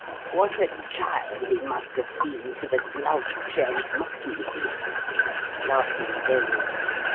"What a trial he must have been to the glove trade, mustn't he?" laughing gaily.